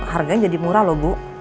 harganya jadi murah loh bu